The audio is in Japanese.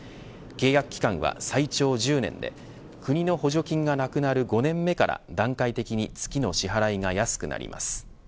契約期間は最長１０年で国の補助金がなくなる５年目から段階的に月の支払いが安くなります。